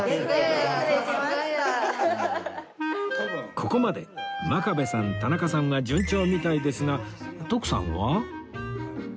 ここまで真壁さん田中さんは順調みたいですが徳さんは？